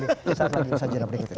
tak mungkin saya ikutin berikutnya